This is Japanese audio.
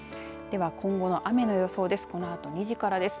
今後の雨の予想です。